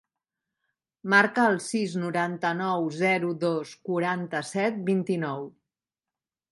Marca el sis, noranta-nou, zero, dos, quaranta-set, vint-i-nou.